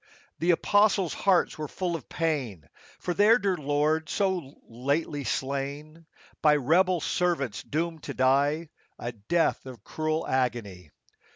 47 The apostles' hearts were full of pain For their dear Lord so lately slain, By rebel servants doomed to die A death of cruel agony.